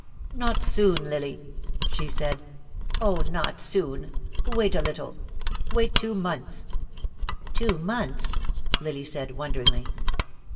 "Not soon, Lily!" she said. "Oh, not soon. Wait a little wait two months." "Two months?" Lily said wonderingly.